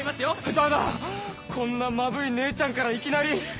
ダメだこんなまぶい姉ちゃんからいきなり。